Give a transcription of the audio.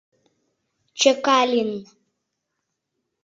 Чекалин...